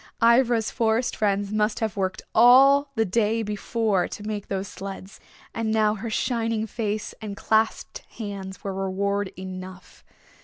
Ivra's Forest Friends must have worked all the day before to make those sleds and now her shining face and clasped hands were reward enough.